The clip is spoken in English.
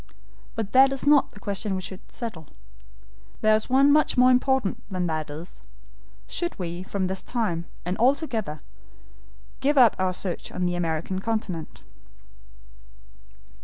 But that is not the question we have to settle. There is one much more important than that is should we from this time, and all together, give up our search on the American continent?"